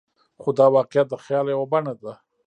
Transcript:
خو دا واقعیت د خیال یوه بڼه ده.